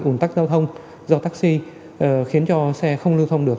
ủn tắc giao thông do taxi khiến cho xe không lưu thông được